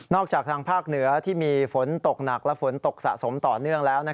จากทางภาคเหนือที่มีฝนตกหนักและฝนตกสะสมต่อเนื่องแล้ว